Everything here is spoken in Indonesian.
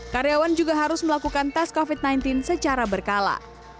karyawan juga harus melakukan tes covid sembilan belas secara berkala